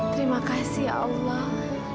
terima kasih allah